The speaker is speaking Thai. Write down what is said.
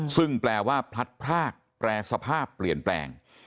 ซึ่งแปลว่าพลัดพรากแปรสภาพเปลี่ยนแปลง